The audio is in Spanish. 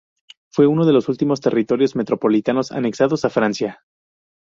Fue uno de los últimos territorios metropolitanos anexados a Francia.